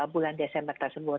bulan desember tersebut